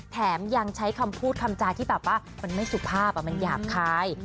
แถมยังใช้คำพูดคำจาที่แบบว่ามันไม่สุภาพมันหยาบคาย